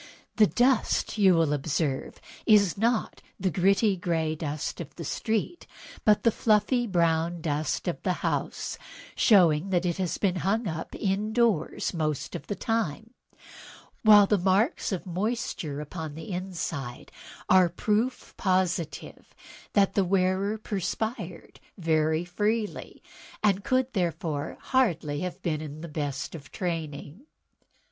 The dust, you will observe, is not the gritty, gray dust of the street, but the fluffy brown dust of the house, showing that it has been hung up indoors most of the time; while the marks of moisture upon the inside are proof positive that the wearer perspired very freely, and could, therefore, hardly be in the best of training."